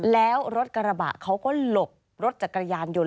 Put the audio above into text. แล้วรถกระบะเขาก็หลบรถจักรยานยนต